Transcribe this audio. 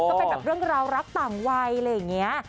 ก็เป็นแบบเรื่องราวรักต่างวัยอะไรอย่างนี้